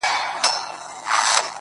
د ښایستونو خدایه سر ټیټول تاته نه وه؟